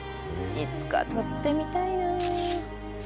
いつか撮ってみたいなぁ！